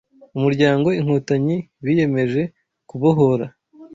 umuryango Inkotanyi biyemeje kubohora